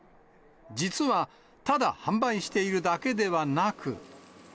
実はただ販売しているだけではなく。